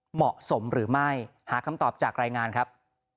เหมาะสมหรือไม่หาคำตอบจากรายงานครับ